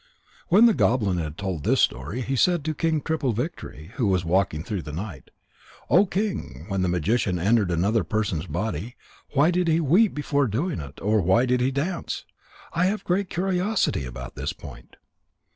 When the goblin had told this story, he said to King Triple victory, who was walking through the night: "O King, when the magician entered another person's body, why did he weep before doing it, or why did he dance? I have a great curiosity about this point."